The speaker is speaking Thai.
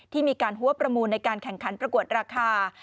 ที่มีการหัวประมูลในการแข่งขันประกวดราคา